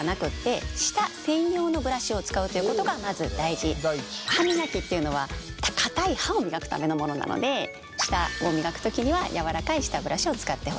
１つ目一番大事なことが歯磨きっていうのは硬い歯を磨くためのものなので舌を磨く時にはやらかい舌ブラシを使ってほしいということ。